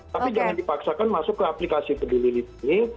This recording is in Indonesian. tapi jangan dipaksakan masuk ke aplikasi peduli lindungi